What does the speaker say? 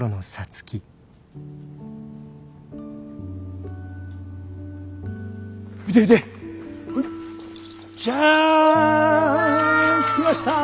つきました。